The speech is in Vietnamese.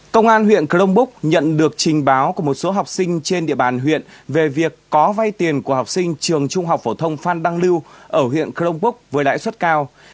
công an huyện crong búc nhận được trình báo của một số học sinh trên địa bàn huyện về việc có vay tiền của học sinh trường trung học phổ thông phan đăng lưu ở huyện crong búc với lãi suất cao